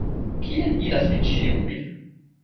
Kien iras vi ĉiuj?